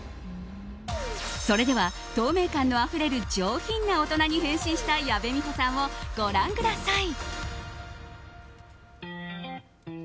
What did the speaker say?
それでは、透明感のあふれる上品な大人に変身した矢部美穂さんをご覧ください。